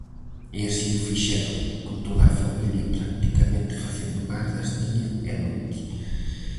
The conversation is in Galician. E así o fixeron, con toda a familia practicamente facendo gardas día e noite.